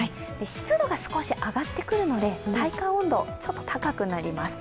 湿度が少し上がってくるので体感温度、ちょっと高くなります。